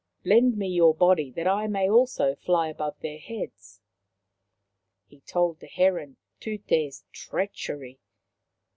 11 Lend me your body that I also may fly above their heads." He told the heron Tut6's treachery.